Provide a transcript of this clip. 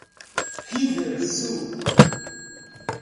Riversul